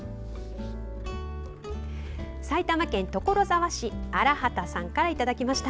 埼玉県所沢市荒畑さんからいただきました。